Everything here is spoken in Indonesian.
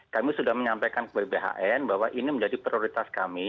kami sudah menyampaikan ke bbhn bahwa ini menjadi prioritas kami